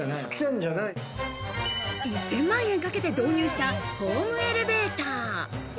１０００万円かけて導入したホームエレベーター。